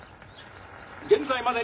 現在までに」。